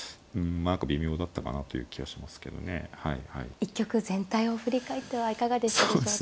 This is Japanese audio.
一局全体を振り返ってはいかがでしたでしょうか。